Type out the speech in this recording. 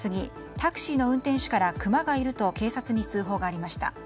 タクシーの運転手からクマがいると警察に通報がありました。